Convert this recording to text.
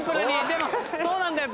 でもそうなんだよ。